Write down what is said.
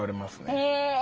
へえ。